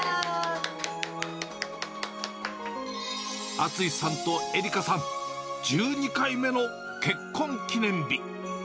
厚さんと絵里香さん、１２回目の結婚記念日。